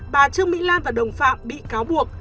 bà trương mỹ lan và đồng phạm bị cáo buộc